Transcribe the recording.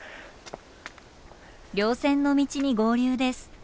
稜線の道に合流です。